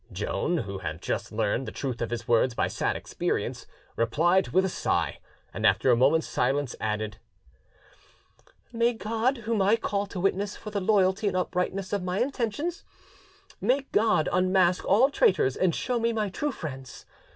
Joan, who had just learned the truth of his words by sad experience, replied with a sigh, and after a moment's silence added— "May God, whom I call to witness for the loyalty and uprightness of my intentions, may God unmask all traitors and show me my true friends!